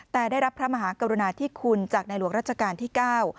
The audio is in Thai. แต่ได้รับพระมหากรุณาธิคุณจากในหลวงรัชกาลที่เก้า